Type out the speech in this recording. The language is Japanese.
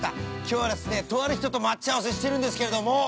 きょうは、とある人と待ち合わせしてるんですけども。